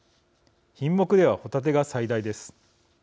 品目では、ホタテが最大です。